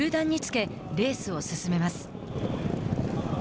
中団につけレースを進めます。